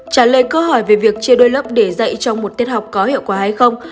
trả lời câu hỏi về việc chia đôi lớp để dạy cho một tiết học có hiệu quả hay không